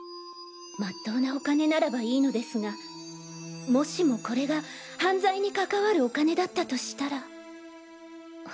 まっとうなお金ならばいいのですがもしもこれが犯罪に関わるお金だったとしたら。